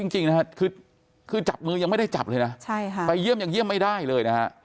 จริงนะฮะคือจับมือยังไม่ได้จับเลยนะไปเยี่ยมยังเยี่ยมไม่ได้เลยนะฮะ